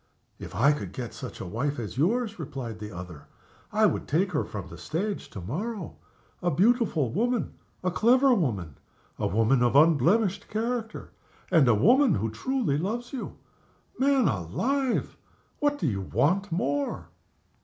"If I could get such a wife as yours," replied the other, "I would take her from the stage to morrow. A beautiful woman, a clever woman, a woman of unblemished character, and a woman who truly loves you. Man alive! what do you want more?"